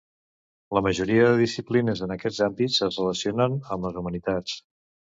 La majoria de disciplines en aquest àmbit es relacionen amb les humanitats.